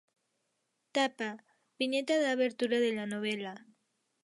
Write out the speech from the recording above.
Tapa: viñeta da abertura de la novela